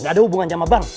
gak ada hubungan sama bank